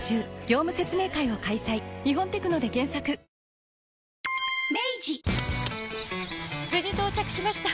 ニトリ無事到着しました！